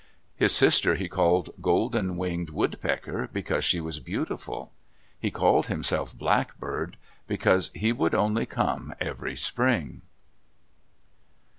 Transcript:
His sister he called Golden winged Woodpecker, because she was beautiful. He called himself Blackbird because he would only come every spring.